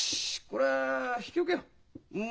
これは引き受けよう。